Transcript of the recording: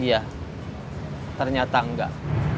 iya ternyata enggak